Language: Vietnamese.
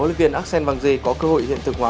hlv axel wanger có cơ hội hiện thực hóa